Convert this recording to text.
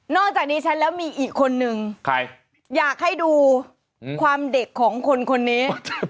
จากนี้ฉันแล้วมีอีกคนนึงอยากให้ดูความเด็กของคนคนนี้